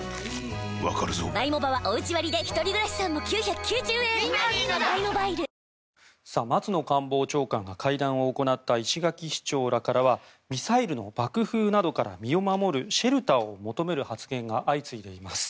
わかるぞ松野官房長官が会談を行った石垣市長らからはミサイルの爆風などから身を守るシェルターを求める発言が相次いでいます。